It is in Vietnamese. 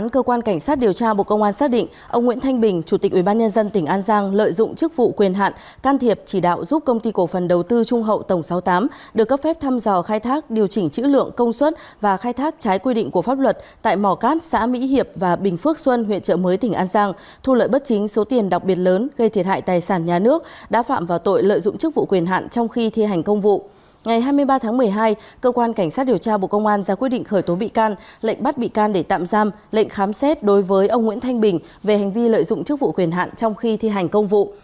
cơ quan cảnh sát điều tra bộ công an đang điều tra vụ án vi phạm quy định về nghiên cứu thăm dò khai thác tài nguyên đưa hối lộ nhận hối lộ nhận hối lộ nhận hối lộ